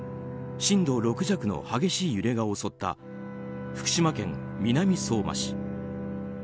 震度６弱の激しい揺れが襲った福島県南相馬市。